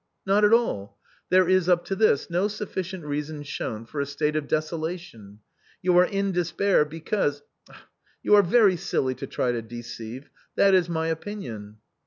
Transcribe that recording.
" Not at all. There is up to this no sufficient reason shown for a state of desolation. You are in despair be cause — You are very silly to try to deceive. That is my opinion."